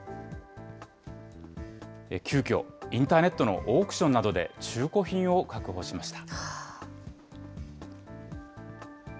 急きょ、インターネットのオークションなどで中古品を確保しました。